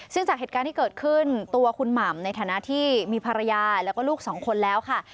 ซึ่งจากเหตุการณ์ที่เกิดขึ้นตัวคุณหม่ำในฐานะที่มีภรรยาแล้วก็ลูกสองคนแล้วค่ะ